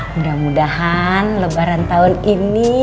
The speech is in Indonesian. mudah mudahan lebaran tahun ini